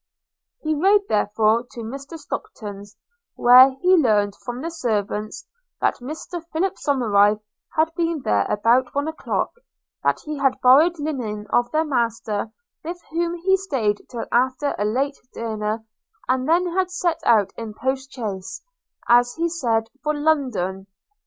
He rode therefore to Mr. Stockton's, where he learned from the servants, that Mr. Philip Somerive had been there about one o'clock; that he had borrowed linen of their master, with whom he staid till after a late dinner, and then had set out in a post chaise, as he said, for London.